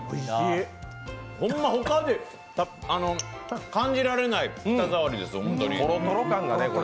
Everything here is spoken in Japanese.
ほんま、ほかで感じられない舌触りです、ホントに。